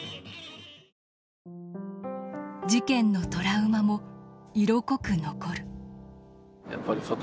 事件のトラウマも色濃く残る。